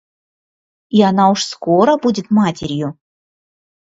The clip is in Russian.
И она уж скоро будет матерью!